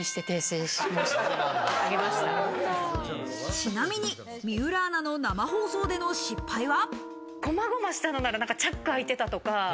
ちなみに水卜アナの生放送での失敗は？